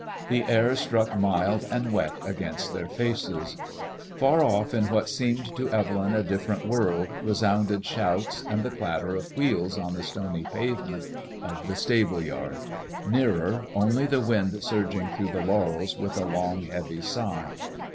The air struck mild and wet against their faces. 1/6 IfADKlfOISELLB IXK. Far off in what seemed to Evelyn a different world resounded shouts and the clatter of wheels on the stony pavement of the stable yard : nearer, only the wind surging through the laurels with a long heavy sigh.